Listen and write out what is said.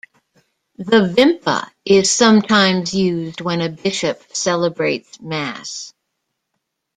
The vimpa is sometimes used when a bishop celebrates Mass.